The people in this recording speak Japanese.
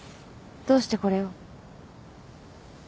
どうしてこれを？